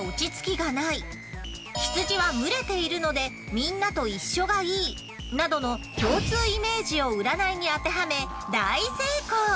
羊は群れているのでみんなと一緒がいいなどの共通イメージを占いに当てはめ大成功！